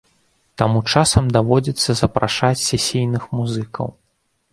Таму часам даводзіцца запрашаць сесійных музыкаў.